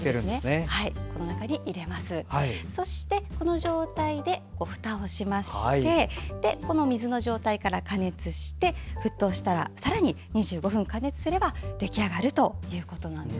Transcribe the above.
そして、この状態でふたをして水の状態から加熱して沸騰したら、さらに２５分加熱すれば出来上がるということなんです。